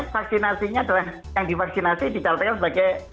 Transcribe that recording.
vaksinasinya adalah yang divaksinasi dicapai sebagai